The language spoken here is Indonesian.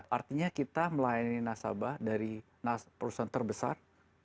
artinya kita melayani nasabah dari perusahaan terbesar